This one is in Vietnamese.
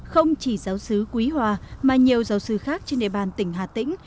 không chỉ giáo sứ quý hòa mà nhiều giáo sứ khác trên địa bàn tỉnh hà tĩnh